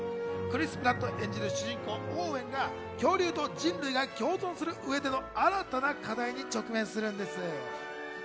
クリス・プラット演じる主人公オーウェンが恐竜と人類が共存する上での新たな課題に直面するんです。